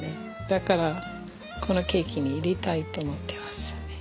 だからこのケーキに入れたいと思ってますよね。